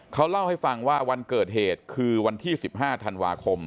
เขาเล่าให้ฟังว่าวันเกิดเหตุคือวันที่๑๕ธันวาคม